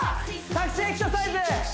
タクシーエクササイズ！